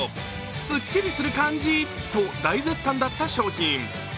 すっきりする感じと、大絶賛だった商品。